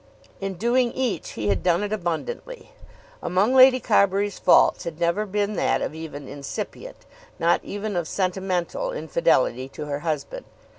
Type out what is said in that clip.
In doing each he had done it abundantly. Among Lady Carbury's faults had never been that of even incipient, not even of sentimental infidelity to her husband.